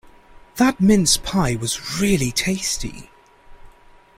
That mince pie was really tasty.